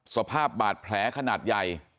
สภาพบาดแผลขนาดใหญ่